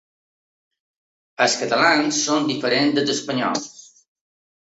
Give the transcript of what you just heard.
Els catalans són diferents dels espanyols.